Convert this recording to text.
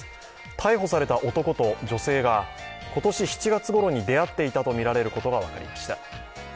逮捕された男と女性が、今年７月ごろに出会っていたとみられることが分かりました。